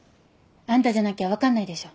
あんたじゃなきゃ分かんないでしょ。